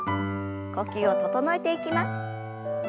呼吸を整えていきます。